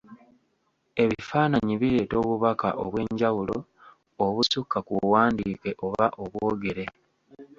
Ebifaananyi bireeta obubaka obw'enjawulo obusukka ku buwandiike oba obwogere.